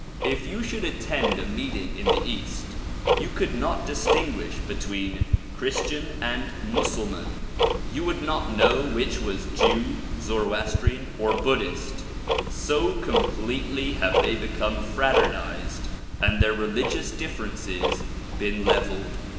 If you should attend a meeting in the east you could not distinguish between Christian and Mussulman ; you would not know which was Jew, Zoroastrian or Buddhist, so completely have they become fraternized and their religious differences been leveled.